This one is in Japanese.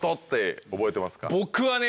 僕はね